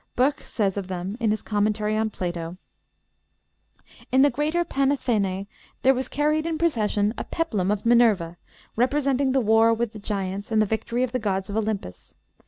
Boeckh says of them, in his 'Commentary on Plato:' "'In the greater Panathenæ there was carried in procession a peplum of Minerva, representing the war with the giants and the victory of the gods of Olympus.